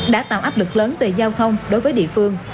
đã tạo áp lực lớn về giao thông đối với địa phương